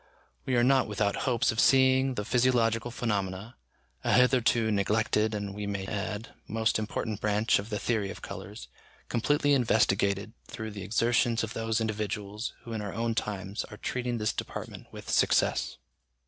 We are not without hopes of seeing the physiological phenomena, a hitherto neglected, and, we may add, most important branch of the theory of colours, completely investigated through the exertions of those individuals who in our own times are treating this department with success.